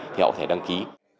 thì họ có thể đăng ký